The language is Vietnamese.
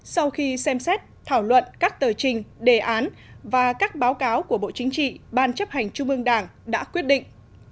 sau khi xem xét thảo luận các tờ trình đề án và các báo cáo của bộ chính trị ban chấp hành trung ương đảng đã quyết định